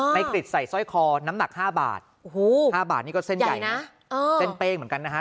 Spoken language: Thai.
กริจใส่สร้อยคอน้ำหนัก๕บาท๕บาทนี่ก็เส้นใหญ่นะเส้นเป้งเหมือนกันนะฮะ